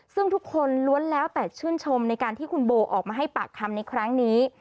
ซึ่งทุกคนล้วนแล้วแต่ชื่นชมในการที่คุณโบออกมาให้ปากคำในครั้งนี้